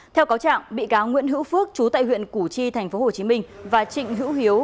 theo cáo trạng bị cáo nguyễn hữu phước chú tại huyện củ chi tp hcm và trịnh hữu hiếu